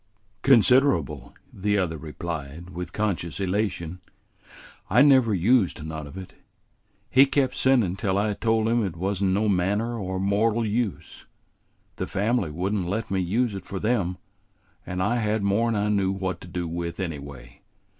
"Considerable," the other replied, with conscious elation. "I never used none of it. He kept sendin' till I told him it wa'n't no manner o' mortal use; the family would n't let me use it for them, and I had more 'n I knew what to do with anyway.